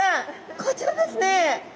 こちらですね！